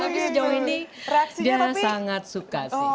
tapi sejauh ini dia sangat suka sih